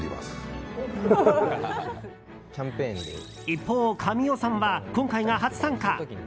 一方、神尾さんは今回が初参加。